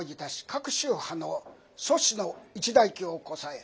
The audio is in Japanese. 各宗派の祖師の一代記をこさえ